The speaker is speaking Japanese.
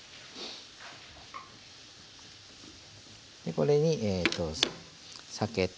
これに酒と。